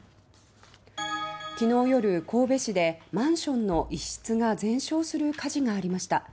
昨日夜、神戸市でマンションの一室が全焼する火事がありました。